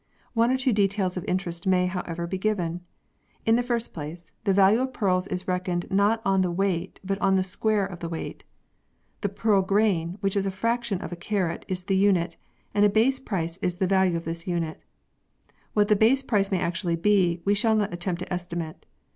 One or two details of interest may, however, be given. In the first place, the value of pearls is reckoned not on the weight, but on the square of the weight. The pearl grain, which is a fraction of a carat, is the unit, and a base price is the value of this unit. What the base price may actually be, we shall not attempt to estimate.